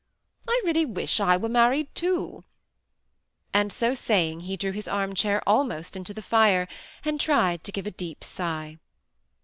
I really wish I were married too ;" and so saying, he drew his arm chair almost into the fire, and tried to give a deep sigh.